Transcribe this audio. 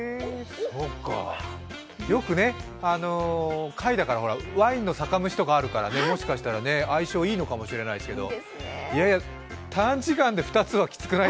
よくね、貝だからワインの酒蒸しとかあるから、もしかしたら相性いいのかもしれないですけど短時間で２つはきつくない？